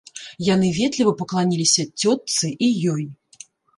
Яны ветліва пакланіліся цётцы і ёй.